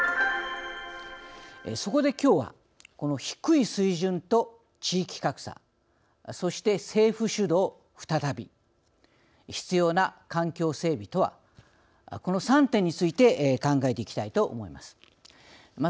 そこできょうは低い水準と地域格差そして政府主導、再び必要な環境整備とはこの３点について考えていきたいと思います。